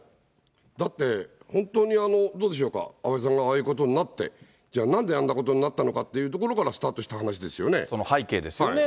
だって、本当にどうでしょうか、安倍さんがああいうことになって、じゃあ、なんであんなことになったのかというところからスタートした話でその背景ですよね。